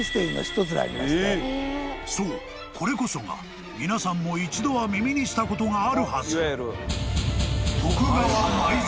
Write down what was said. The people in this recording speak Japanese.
［そうこれこそが皆さんも一度は耳にしたことがあるはず］